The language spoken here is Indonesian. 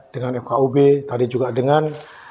dengan fkub tadi juga dengan